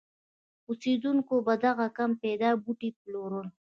اوسېدونکو به دغه کم پیدا بوټي پلورل.